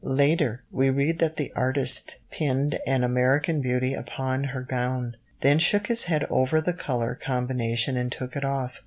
Later, we read that the artist pinned an American Beauty upon her gown, then shook his head over the colour combination and took it off.